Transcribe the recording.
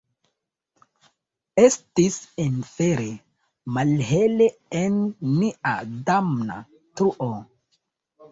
Estis infere malhele en nia damna truo!